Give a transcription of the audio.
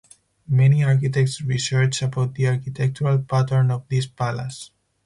Many architects researched about the architectural pattern of this palace.